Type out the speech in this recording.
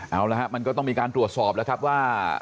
เอาละครับมันก็ต้องมีการตรวจสอบแล้วครับว่า